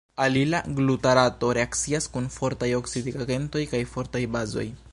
Alila glutarato reakcias kun fortaj oksidigagentoj kaj fortaj bazoj.